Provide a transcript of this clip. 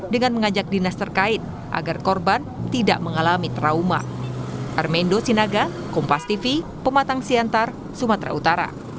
dengan mengajak dinas terkait agar korban tidak mengalami trauma